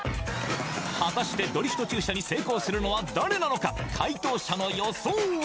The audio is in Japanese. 果たしてドリフト駐車に成功するのは誰なのか解答者の予想は？